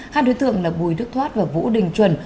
hai đối tượng là bùi đức thoát và vũ đình chuẩn